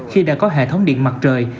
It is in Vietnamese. khi đã có hệ thống điện mặt trời